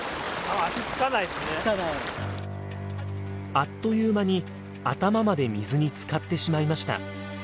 あっという間に頭まで水につかってしまいました。